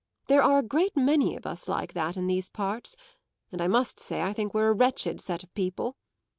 There are a great many of us like that in these parts, and I must say I think we're a wretched set of people.